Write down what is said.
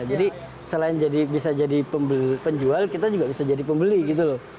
jadi selain bisa jadi penjual kita juga bisa jadi pembeli gitu loh